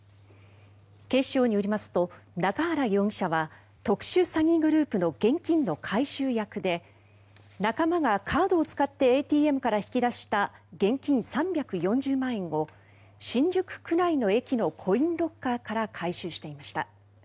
警視庁によりますと中原容疑者は特殊詐欺グループの現金の回収役で仲間がカードを使ってＡＴＭから引き出した現金３４０万円を新宿区内の駅のコインロッカーから回収していました。